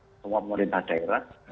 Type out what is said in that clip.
untuk semua pemerintah daerah